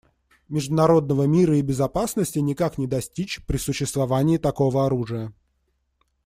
Международного мира и безопасности никак не достичь при существовании такого оружия.